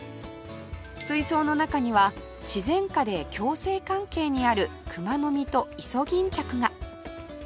水槽の中には自然下で共生関係にあるクマノミとイソギンチャクが